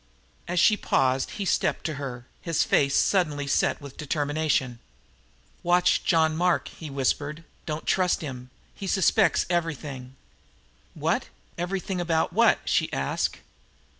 As she paused he stepped to her, his face suddenly set with determination. "Watch John Mark," he whispered. "Don't trust him. He suspects everything!" "What? Everything about what?" she asked.